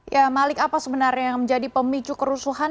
ya malik apa sebenarnya yang menjadi pemicu kerusuhan